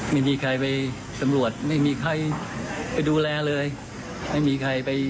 ลูกผมเสาหลัก